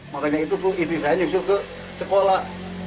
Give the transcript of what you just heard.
makanya itu bu istri saya nyusul ke sekolah